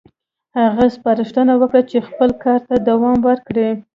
هغه سپارښتنه وکړه چې خپل کار ته دوام ورکړي.